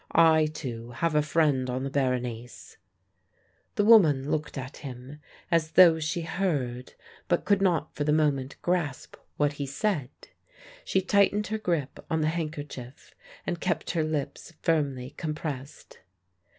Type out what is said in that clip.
I, too, have a friend on the Berenice." The woman looked at him as though she heard but could not for the moment grasp what he said. She tightened her grip on the handkerchief and kept her lips firmly compressed.